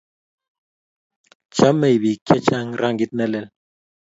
chamei biik che chang' rangit ne lel